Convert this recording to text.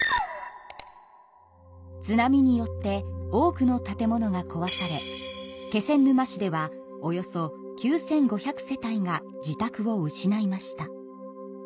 津波によって多くの建物がこわされ気仙沼市ではおよそ９，５００世帯が自宅を失いました。